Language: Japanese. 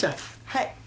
はい。